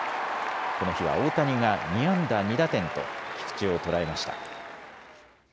この日は大谷が２安打２打点と菊池を捉えました。